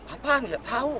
apaan ya tahu